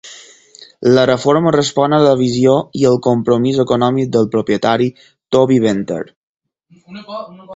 La reforma respon a la visió i el compromís econòmic del propietari Toby Venter.